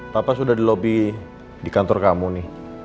papa sudah di lobi di kantor kamu nih